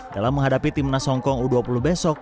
dalam menghadapi timnas hongkong u dua puluh besok